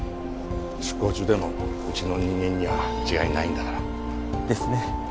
出向中でもうちの人間には違いないんだからですね